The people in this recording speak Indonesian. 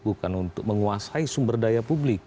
bukan untuk menguasai sumber daya publik